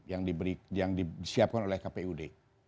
yang diberi yang disiapkan oleh kpud